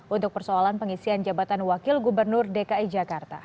untuk persoalan pengisian jabatan wakil gubernur dki jakarta